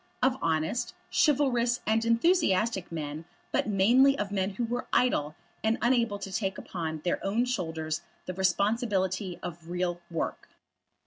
Of honest, chivalrous, and enthusiastic men, but mainly of men who were idle, and unable to take upon their own shoulders the responsibility of real work.